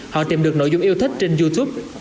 họ tìm được nội dung yêu thích trên youtube